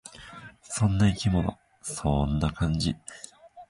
そんな生き物。そんな感じ。